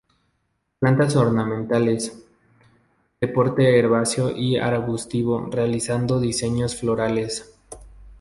Plantas ornamentales, de porte herbáceo y arbustivo realizando diseños florales.